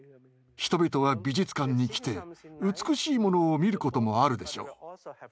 人々は美術館に来て美しいものを見ることもあるでしょう。